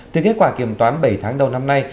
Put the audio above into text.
từ kết quả kiểm toán bảy tháng đầu năm nay